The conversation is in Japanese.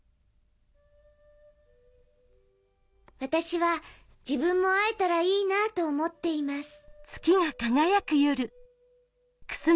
「私は自分も会えたらいいなと思っています」。